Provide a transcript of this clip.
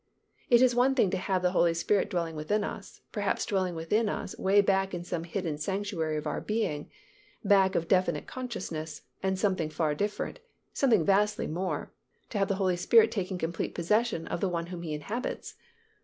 It is one thing to have the Holy Spirit dwelling within us, perhaps dwelling within us way back in some hidden sanctuary of our being, back of definite consciousness, and something far different, something vastly more, to have the Holy Spirit taking complete possession of the one whom He inhabits.